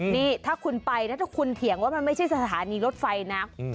นี่ถ้าคุณไปนะถ้าคุณเถียงว่ามันไม่ใช่สถานีรถไฟนะ